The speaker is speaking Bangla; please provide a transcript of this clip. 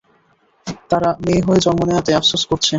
তারা মেয়ে হয়ে জন্ম নেয়াতে আফসোস করছে।